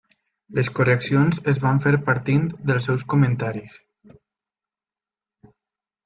Les correccions es van fer partint dels seus comentaris.